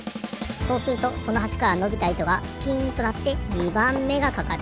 そうするとそのはしからのびたいとがピンとなって２ばんめがかかる。